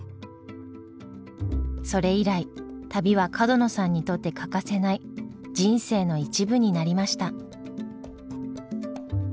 それ以来旅は角野さんにとって欠かせない人生の一部になりました。